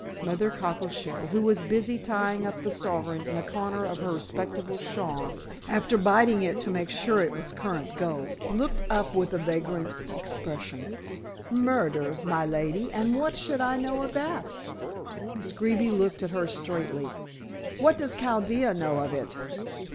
Mother Cockleshell, who was busy tying up the sovereign in a corner of her respectable shawl, after biting it to make sure it was current gold, looked up with a vacant expression. "Murder, my lady, and what should I know of that?" Miss Greeby looked at her straightly. "What does Chaldea know of it?"